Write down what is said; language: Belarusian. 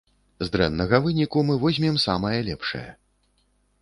З дрэннага выніку мы возьмем самае лепшае.